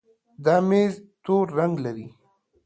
دا ميز تور رنګ لري.